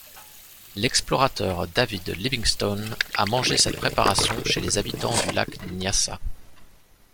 L'explorateur David Livingstone a mangé cette préparation chez les habitants du lac Nyassa.